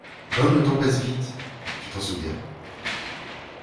Comme le temps passe vite ! Tu t’en souviens ?